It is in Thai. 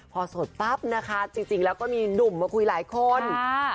พอโสดปั๊บนะคะจริงแล้วก็มีหนุ่มมาคุยหลายคน